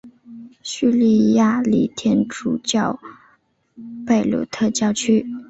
叙利亚礼天主教贝鲁特教区。